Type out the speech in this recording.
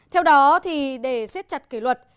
theo đó thì để xét chặt kỷ luật